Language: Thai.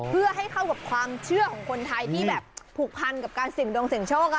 เพื่อให้เข้ากับความเชื่อของคนไทยที่แบบผูกพันกับการเสี่ยงดวงเสี่ยงโชค